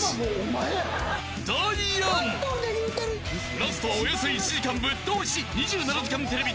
ラストはおよそ１時間ぶっ通し「２７時間テレビ」